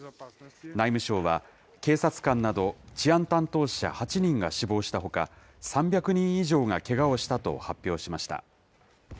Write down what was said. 内務省は、警察官など治安担当者８人が死亡したほか、３００人以上がけがをしたと発表しました。